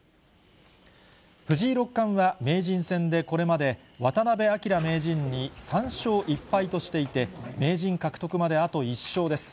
藤井六冠は、名人戦でこれまで渡辺明名人に３勝１敗としていて、名人獲得まであと１勝です。